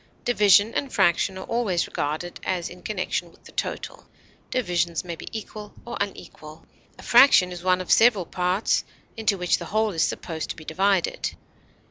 Division and fraction are always regarded as in connection with the total; divisions may be equal or unequal; a fraction is one of several equal parts into which the whole is supposed to be divided.